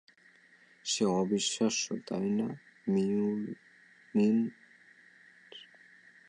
সে অবিশ্বাস্য, তাই না, মিওলনির?